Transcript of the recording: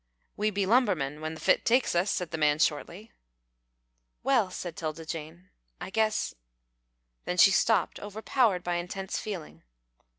"We be lumbermen, when the fit takes us," said the man, shortly. "Well," said 'Tilda Jane, "I guess " then she stopped, overpowered by intense feeling.